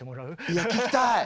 いや聴きたい！